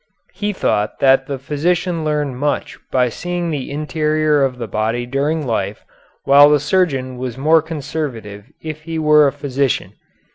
He thought that the physician learned much by seeing the interior of the body during life, while the surgeon was more conservative if he were a physician.